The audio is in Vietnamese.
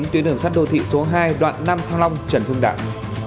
tuyến đường sắt đô thị số hai đoạn năm thăng long trần hương đảng